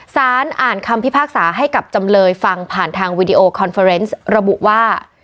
สารอ่านคำพิพากษาให้กับจำเลยฟังผ่านทางวีดีโอคอนเฟอร์เนสระบุว่า